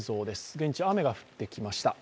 現地は雨が降ってきました。